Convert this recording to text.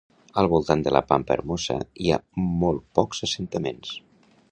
Al voltant de la Pampa Hermosa hi ha molt pocs assentaments.